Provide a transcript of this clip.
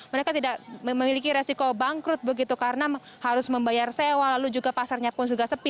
mereka tidak memiliki resiko bangkrut begitu karena harus membayar sewa lalu juga pasarnya pun juga sepi